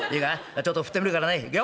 ちょっと振ってみるからねいくよ